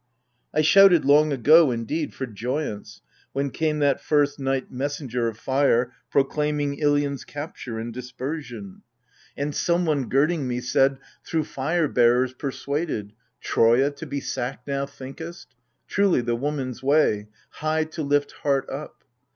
I shouted long ago, indeed, for joyance, Wlien came that first night messenger of fire Proclaiming Ilion's capture and dispersion. 50 AGAMEMNON. And someone, girding me, said " Through fire bearers Persuaded — Troia to be sacked now, thinkest ? Truly, the woman's way, — high to lift heart up